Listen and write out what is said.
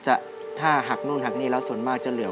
ถ้าหักนู่นหักนี่แล้วส่วนมากจะเหลือ